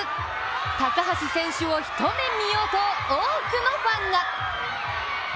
高橋選手を一目見ようと多くのファンが。